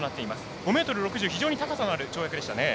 ５ｍ６０、非常に高さのある跳躍でしたね。